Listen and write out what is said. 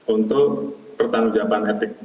untuk pertanggung jawaban etik